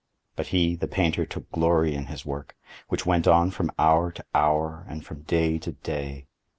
But he, the painter, took glory in his work, which went on from hour to hour, and from day to day.